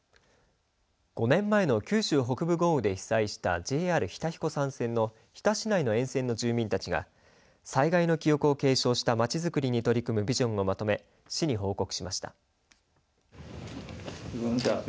５年前の九州北部豪雨で被災したＪＲ日田彦山線の日田市内の沿線の住民たちが災害の記憶を継承したまちづくりに取り組んだビジョンをまとめ市に報告しました。